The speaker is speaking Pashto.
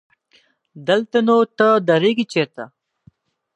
دلته نو ته درېږې چېرته؟